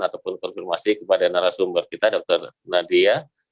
ataupun konfirmasi kepada narasumber kita dr nadia